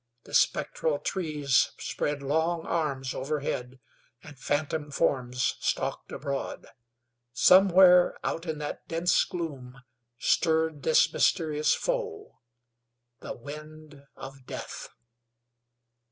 The spectral trees spread long arms overhead, and phantom forms stalked abroad; somewhere out in that dense gloom stirred this mysterious foe the "Wind of Death."